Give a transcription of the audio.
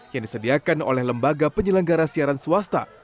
yang disediakan oleh lembaga penyelenggara siaran swasta